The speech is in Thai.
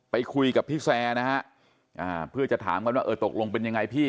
ไปคุยกับพี่แซร์นะฮะเพื่อจะถามกันว่าเออตกลงเป็นยังไงพี่